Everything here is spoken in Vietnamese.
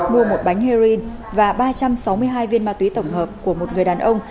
mua một bánh heroin và ba trăm sáu mươi hai viên ma túy tổng hợp của một người đàn ông